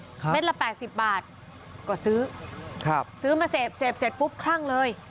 เม็ดละแปดสิบบาทก็ซื้อครับซื้อซื้อมาเสพเสพเสร็จปุ๊บคลั่งเลย